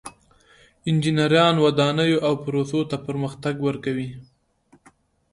انجینران ودانیو او پروسو ته پرمختګ ورکوي.